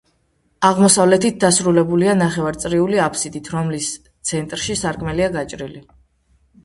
აღმოსავლეთით დასრულებულია ნახევარწრიული აბსიდით, რომლის ცენტრში სარკმელია გაჭრილი.